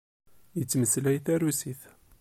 Yettmeslay tarusit.